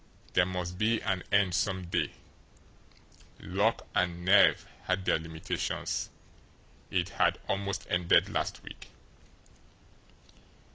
There must be an end some day; luck and nerve had their limitations it had almost ended last week!